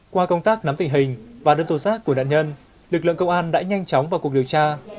qua công tác nắm tình hình và đơn tố giác của nạn nhân lực lượng công an đã nhanh chóng vào cuộc điều tra